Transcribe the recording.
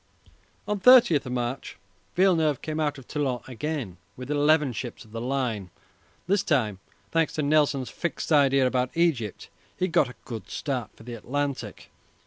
On 30 March Villeneuve came out of Toulon again with eleven ships of the line. This time, thanks to Nelson's fixed idea about Egypt, he got a good start for the Atlantic.